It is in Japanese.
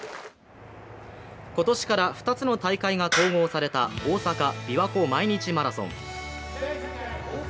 今年から２つの大会が統合された大阪・びわ湖毎日マラソン。